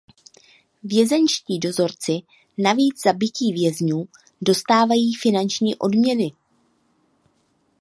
Vězeňští dozorci navíc za bití vězňů dostávají finanční odměny.